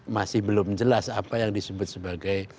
masih belum jelas apa yang disebut sebagai